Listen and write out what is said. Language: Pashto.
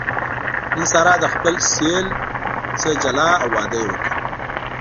نن ساره له خپل سېل نه جلا او واده یې وکړ.